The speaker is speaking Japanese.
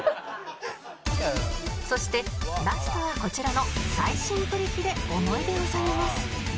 そしてラストはこちらの最新プリ機で思い出を収めます